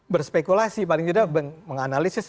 berspekulasi paling tidak menganalisis